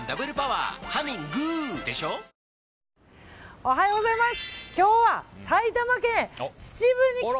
おはようございます。